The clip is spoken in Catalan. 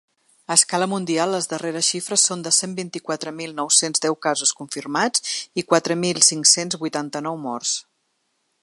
A escala mundial les darreres xifres són de cent vint-i-quatre mil nou-cents deu casos confirmats i quatre mil cinc-cents vuitanta-nou morts.